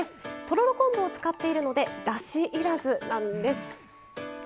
とろろ昆布を使っているのでだしいらずなんです。